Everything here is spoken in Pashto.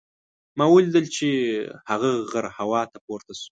ما ولیدل چې هغه غر هوا ته پورته شو.